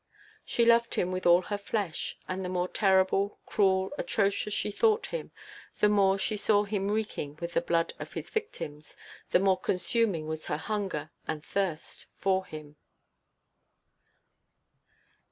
She loved him with all her flesh, and the more terrible, cruel, atrocious she thought him, the more she saw him reeking with the blood of his victims, the more consuming was her hunger and thirst for him.